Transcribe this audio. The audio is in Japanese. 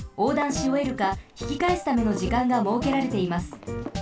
しおえるかひきかえすための時間がもうけられています。